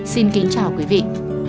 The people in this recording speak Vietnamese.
xin kính chào quý vị